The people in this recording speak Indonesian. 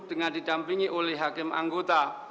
dengan didampingi oleh hakim anggota